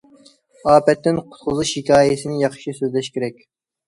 ئاپەتتىن قۇتقۇزۇش ھېكايىسىنى ياخشى سۆزلەش كېرەك.